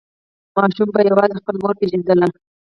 ماشوم به یوازې خپله مور پیژندل.